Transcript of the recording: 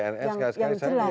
yang jelas gitu kan